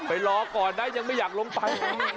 รอก่อนนะยังไม่อยากลงไป